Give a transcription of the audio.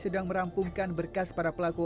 sedang merampungkan berkas para pelaku